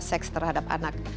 seks terhadap anak